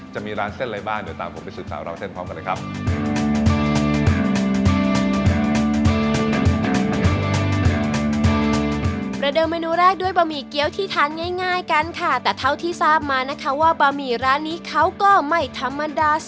จะมีร้านเส้นอะไรบ้างเดี๋ยวตามผมไปสืบสาวราวเส้นพร้อมกันเลยครับ